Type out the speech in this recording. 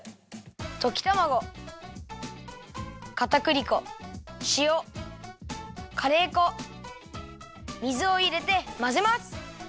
ときたまごかたくり粉しおカレー粉水をいれてまぜます！